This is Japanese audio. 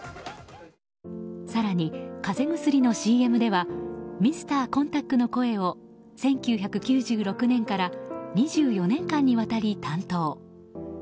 更に風邪薬のＣＭではＭｒ．ＣＯＮＴＡＣの声を１９９６年から２４年間にわたり担当。